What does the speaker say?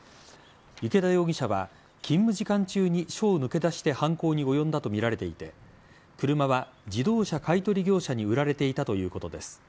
池田容疑者は勤務時間中に署を抜け出して犯行に及んだとみられていて車は自動車買い取り業者に売られていたということです。